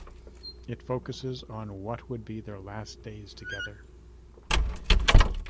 It focuses on what would be their last days together.